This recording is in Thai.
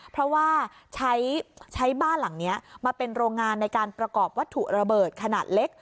เพราะว่าใช้บ้านหลังนี้มาเป็นโรงงานในการประกอบวัตถุระเบิดขนาดเล็ก